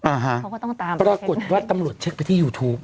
อ่าฮะเขาก็ต้องตามปรากฏว่าตำรวจเช็คไปที่ยูทูป